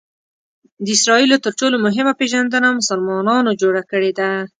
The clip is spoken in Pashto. د اسراییلو تر ټولو مهمه پېژندنه مسلمانانو جوړه کړې ده.